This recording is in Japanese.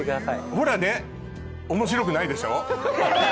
ほらね面白くないでしょ？